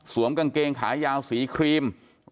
กางเกงขายาวสีครีม